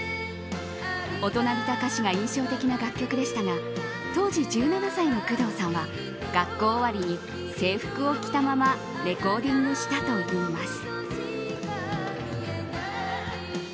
大人びた歌詞が印象的な楽曲でしたが当時１７歳の工藤さんは学校終わりに制服を着たままレコーディングしたといいます。